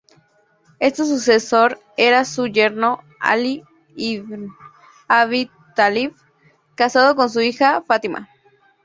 Este sucesor era su yerno Alí ibn Abi Tálib, casado con su hija Fátima.